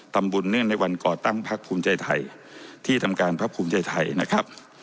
เนื่องในวันก่อตั้งพักภูมิใจไทยที่ทำการพักภูมิใจไทยนะครับ